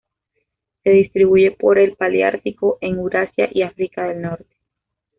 Se distribuyen por el paleártico en Eurasia y África del Norte.